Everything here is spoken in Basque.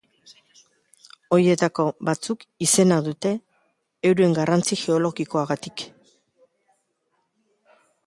Horietako batzuk izena dute euren garrantzi geologikoagatik.